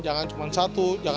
jangan cuma satu